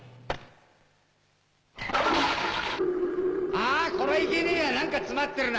あこりゃいけねえや何か詰まってるな。